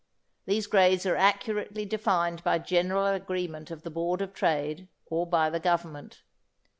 These grades are accurately defined by general agreement of the Board of Trade or by the Government.